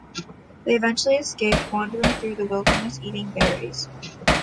They eventually escaped, wandering through the wilderness eating berries.